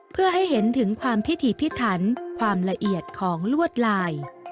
เพื่อให้เห็นถึงความพิถีพิถันความละเอียดของลวดลาย